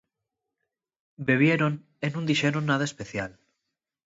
Bebieron y nun dixeron nada especial.